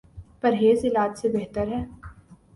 پرہیز علاج سے بہتر ہے۔